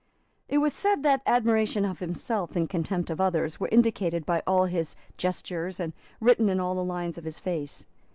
It was said that admiration of himself and contempt of others were indicated by all his gestures and written in all the lines of his face.